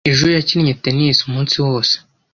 Ejo yakinnye tennis umunsi wose.